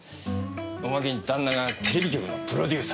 おまけに旦那がテレビ局のプロデューサーだと。